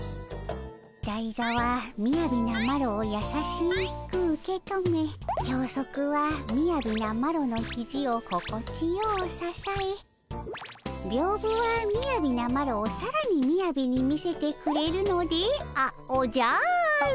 だいざはみやびなマロをやさしく受け止めきょうそくはみやびなマロのひじを心地ようささえびょうぶはみやびなマロをさらにみやびに見せてくれるのであおじゃる。